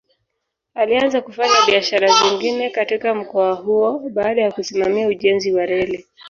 Alianza kufanya biashara zingine katika mkoa huo baada ya kusimamia ujenzi wa reli.